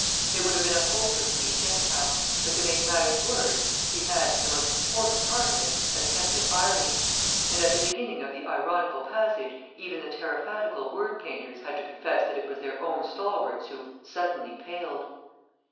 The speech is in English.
It would have been a hopeless speech anyhow; but, to make matters worse, he had, in the most important part of it, attempted irony. And at the beginning of the ironical passage even the Tariffadical word painters had to confess that it was their own stalwarts who "suddenly paled."